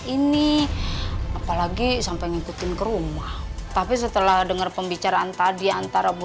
ini apalagi sampai ngikutin ke rumah tapi setelah dengar pembicaraan tadi antara